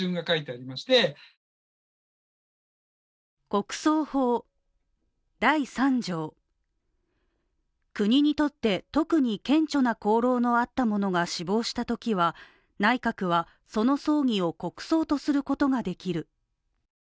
国葬法第３条、国にとって特に顕著な功労のあった者が死亡したときは内閣はその葬儀を国葬とすることができる。